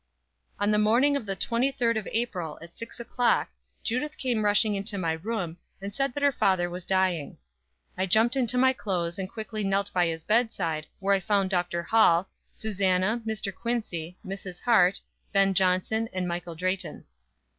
_ On the morning of the 23d of April, at six o'clock, Judith came rushing into my room, and said that her father was dying. I jumped into my clothes and quickly knelt by his bedside, where I found Dr. Hall, Susannah, Mr. Quincy, Mrs. Hart, Ben Jonson, and Michael Drayton.